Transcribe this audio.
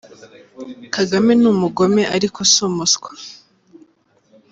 Kagame ni umugome ariko si umuswa !